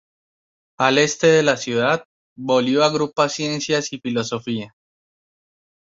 Al este de la ciudad, Beaulieu agrupa ciencias y filosofía.